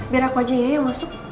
biar aku aja ya masuk